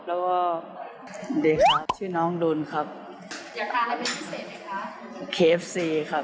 สวัสดีครับชื่อน้องดุลครับอยากการอะไรพิเศษไหมครับ